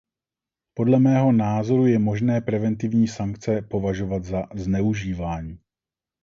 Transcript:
Podle mého názoru je možné preventivní sankce považovat za zneužívání.